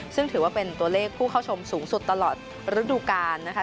ซึ่งถือว่าเป็นตัวเลขผู้เข้าชมสูงสุดตลอดฤดูกาลนะคะ